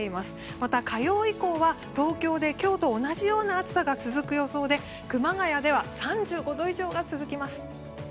また火曜以降は東京で今日と同じような暑さが続く予想で熊谷では３５度以上が続きます。